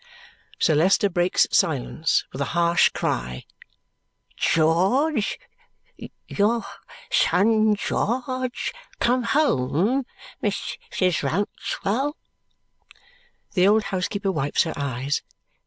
Sir Leicester breaks silence with a harsh cry. "George? Your son George come home, Mrs. Rouncewell?" The old housekeeper wipes her eyes.